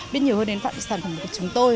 biết nhiều hơn đến sản phẩm của chúng tôi